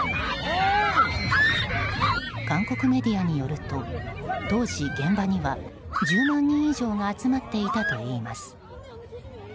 韓国メディアによると当時、現場には１０万人以上が集まっていたといいます。